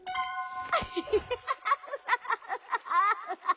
ハハハハハハ。